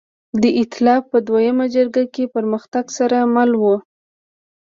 د اېتلاف په دویمه جګړه کې پرمختګ سره مله وه.